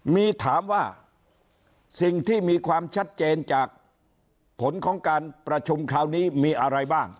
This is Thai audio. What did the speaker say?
มีถามว่าสิ่งที่มีความชัดเจนจากผลของการประชุมคราวนี้มีอะไรบ้าง